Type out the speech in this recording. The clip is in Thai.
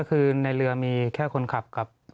คือในเรือมีแค่คนขับกับ